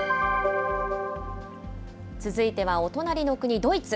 続いては、お隣の国、ドイツ。